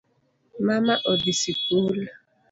Mama odhii sikul